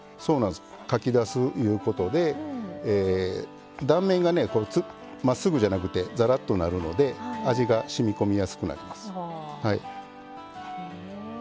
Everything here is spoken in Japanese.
かき出すいうことで断面がまっすぐじゃなくてざらっとなるので味がしみこみやすくなります。